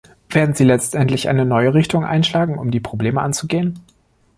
Werden Sie letztendlich eine neue Richtung einschlagen, um die Probleme anzugehen?